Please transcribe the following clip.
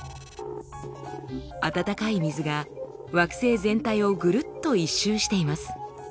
あたたかい水が惑星全体をぐるっと一周しています。